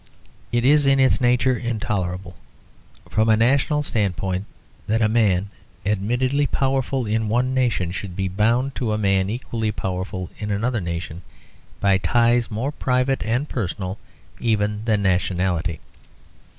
It is in its nature intolerable, from a national standpoint, that a man admittedly powerful in one nation should be bound to a man equally powerful in another nation, by ties more private and personal even than nationality.